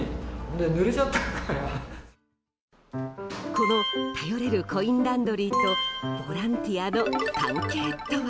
この頼れるコインランドリーとボランティアの関係とは？